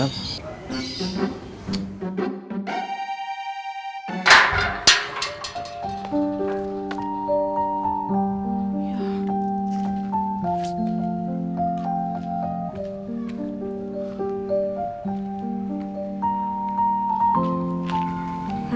aku mau ganti apa